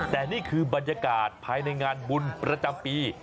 แต่นี่คือบรรยากาศภายในงานบุญประจำปี